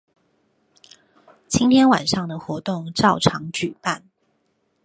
今天晚上的活動照常舉辦